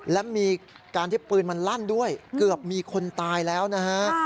และมีการที่ปืนมันลั่นด้วยเกือบมีคนตายแล้วนะฮะ